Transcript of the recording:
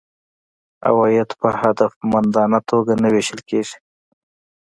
عواید په هدفمندانه توګه نه وېشل کیږي.